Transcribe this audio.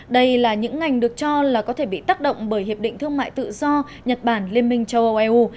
đây là những ngành được cho là có thể bị tác động bởi hiệp định thương mại tự do nhật bản liên minh châu âu eu